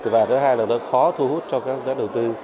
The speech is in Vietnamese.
và thứ hai là nó khó thu hút cho các đầu tư